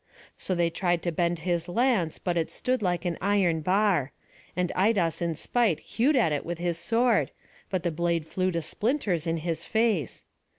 So they tried to bend his lance, but it stood like an iron bar; and Idas in spite hewed at it with his sword, but the blade flew to splinters in his face.